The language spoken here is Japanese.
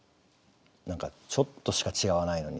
何かちょっとしか違わないのに。